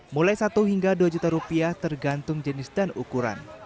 mulai satu hingga dua juta rupiah tergantung jenis dan ukuran